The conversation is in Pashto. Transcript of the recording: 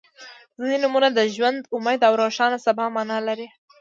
• ځینې نومونه د ژوند، امید او روښانه سبا معنا لري.